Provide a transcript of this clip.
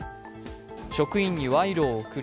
職員に賄賂を贈り